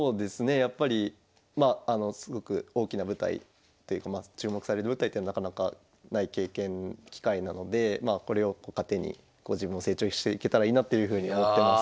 やっぱりまあすごく大きな舞台というか注目される舞台ってなかなかない経験機会なのでまあこれを糧に自分を成長していけたらいいなというふうに思ってます。